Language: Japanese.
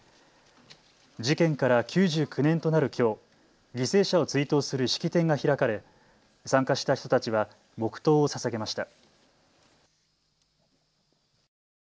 事件から９９年となるきょう犠牲者を追悼する式典が開かれ参加した人たちは黙とうをささげました。